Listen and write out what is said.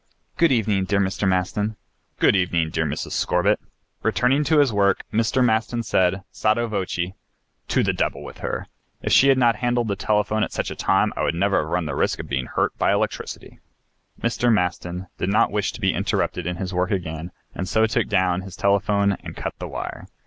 "Good evening, dear Mr. Maston." "Good evening, dear Mrs. Scorbitt." Returning to his work Mr. Maston said, sotto voce, "To the devil with her. If she had not handled the telephone at such a time I would not have run the risk of being hurt by electricity." Mr. Maston did not wish to be interrupted in his work again and so took down his telephone and cut the wire.